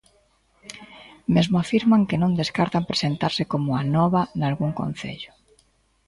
Mesmo afirman que non descartan presentarse como Anova nalgún concello.